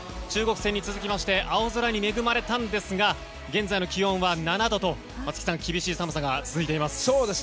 中国戦に続きまして青空に恵まれたんですが現在の気温は７度と、松木さん厳しい寒さが続いています。